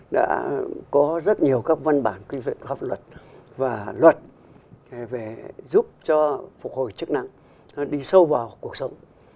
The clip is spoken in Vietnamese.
đã có rất nhiều các văn bản quyện pháp luật và luật về giúp cho phục hồi chức năng đi sâu vào cuộc sống